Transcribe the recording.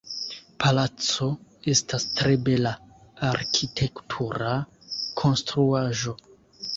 Palaco estas tre bela arkitektura konstruaĵo.